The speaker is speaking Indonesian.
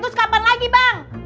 terus kapan lagi bang